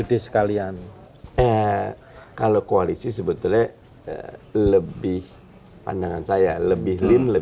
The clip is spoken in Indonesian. dan nyari tiga tuh agak susah